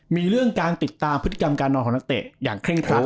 มีเรื่องการติดตามพฤติกรรมการนอนของนักเตะอย่างเคร่งครัด